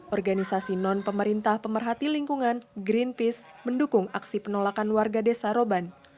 organisasi non pemerintah pemerhati lingkungan greenpeace mendukung aksi penolakan warga desa roban